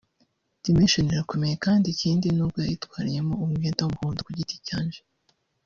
Dimension irakomeye kandi ikindi nubwo nayitwariyemo umwenda w’umuhondo ku giti cyanje